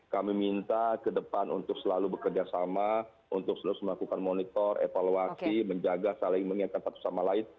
kami minta ke depan untuk selalu bekerja sama untuk selalu melakukan monitor evaluasi menjaga saling mengingatkan satu sama lain